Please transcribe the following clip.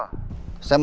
saya mau laporan pak